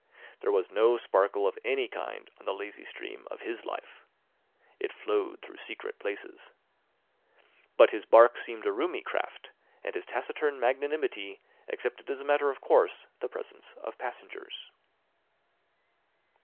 There was no sparkle of any kind on the lazy stream of his life. It flowed through secret places. But his barque seemed a roomy craft, and his taciturn magnanimity accepted as a matter of course the presence of passengers.